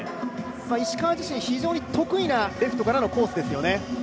石川自身、非常に得意なレフトからのコースですよね。